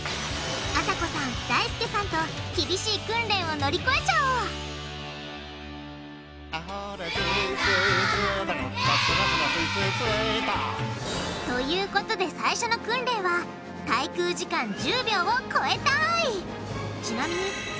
あさこさんだいすけさんと厳しい訓練を乗り越えちゃおう！ということで最初の訓練は滞空時間１０秒をこえたい！